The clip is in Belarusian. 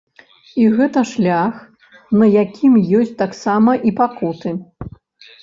І гэта шлях, на якім ёсць таксама і пакуты.